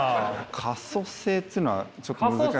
可塑性ってのはちょっと難しい。